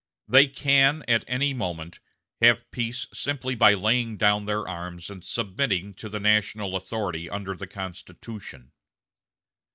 They can, at any moment, have peace simply by laying down their arms and submitting to the national authority under the Constitution.